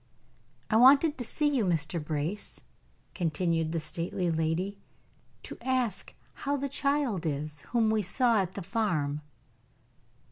"I wanted to see you, Mr. Brace," continued the stately lady, "to ask how the child is whom we saw at the farm."